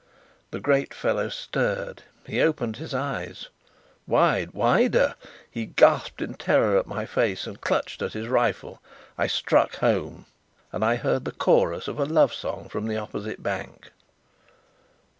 The great fellow stirred. He opened his eyes wide, wider. He gasped in terror at my face and clutched at his rifle. I struck home. And I heard the chorus of a love song from the opposite bank.